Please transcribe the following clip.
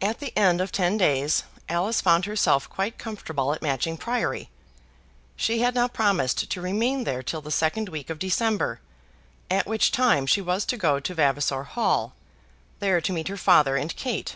At the end of ten days Alice found herself quite comfortable at Matching Priory. She had now promised to remain there till the second week of December, at which time she was to go to Vavasor Hall, there to meet her father and Kate.